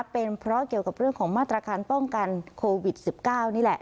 เป็นเพราะเกี่ยวกับเรื่องของมาตรการป้องกันโควิด๑๙นี่แหละ